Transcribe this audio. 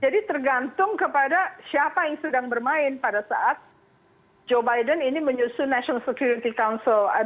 jadi tergantung kepada siapa yang sedang bermain pada saat joe biden ini menyusun national security council